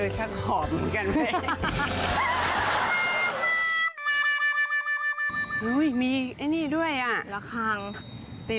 ชักหอมเหมือนกันเลย